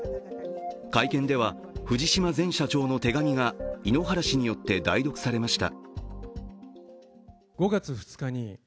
会見では、藤島前社長の手紙が井ノ原氏によって代読されました。